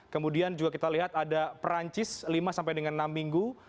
kemudian juga kita lihat ada perancis lima sampai dengan enam minggu